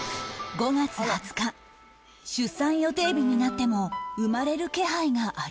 ５月２０日出産予定日になっても生まれる気配がありません